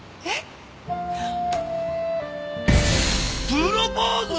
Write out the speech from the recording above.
プロポーズ！？